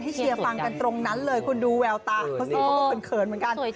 เชียร์ฟังกันตรงนั้นเลยคุณดูแววตาเขาสิเขาก็เขินเหมือนกัน